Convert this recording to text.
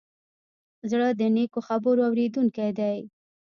زړه د نیکو خبرو اورېدونکی دی.